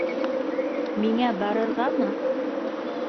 - Миңә... барырғамы?!